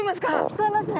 聞こえますね。